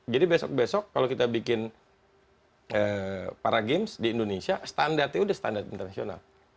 jadi besok besok kalau kita bikin para games di indonesia standartnya udah standart internasional